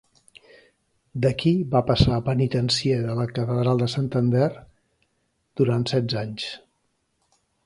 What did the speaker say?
D'aquí va passar a penitencier de la catedral de Santander durant setze anys.